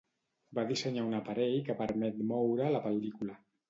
Va dissenyar un aparell que permet moure la pel·lícula.